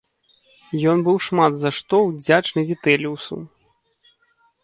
Ён быў шмат за што ўдзячны Вітэліусу.